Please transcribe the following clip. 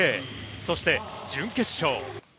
そして準決勝。